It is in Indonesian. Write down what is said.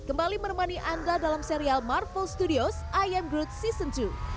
kembali menemani anda dalam serial marvel studios i am groot season dua